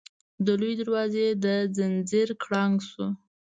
د لويي دروازې د ځنځير کړنګ شو.